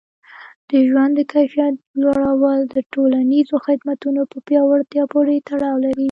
د ژوند د کیفیت لوړول د ټولنیزو خدمتونو په پیاوړتیا پورې تړاو لري.